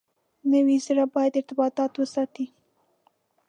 نوي زره باید ارتباطات وساتي.